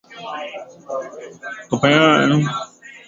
kupoteza joto na madirisha yanayokinza hewa baridi